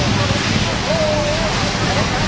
สุดท้ายสุดท้ายสุดท้าย